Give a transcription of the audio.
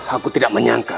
aku tidak menyangka